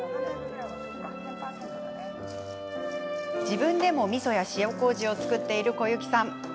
自分でもみそや塩こうじを作っている小雪さん。